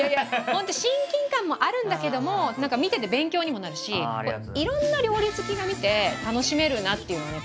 本当親近感もあるんだけども何か見てて勉強にもなるしいろんな料理好きが見て楽しめるなっていうのはね